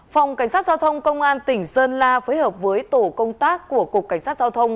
phòng cảnh sát giao thông công an tỉnh sơn la phối hợp với tổ công tác của cục cảnh sát giao thông